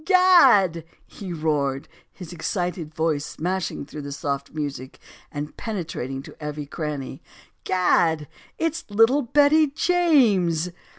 "Gad!" he roared, his excited voice smashing through the soft music and penetrating to every cranny. "Gad! It's little Betty James!"